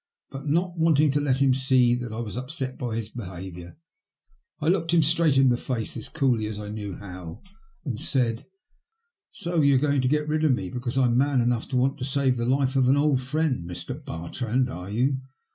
But not wanting to let him see that I was upset by his behaviour, I looked him straight in the face as coolly as I knew how and said —" So you're going to get rid of me because I'm man enough to want to save the life of an old friend, Mr. Bartrand, are you